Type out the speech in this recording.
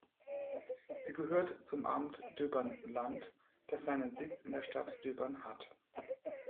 Sie gehört zum Amt Döbern-Land, das seinen Sitz in der Stadt Döbern hat.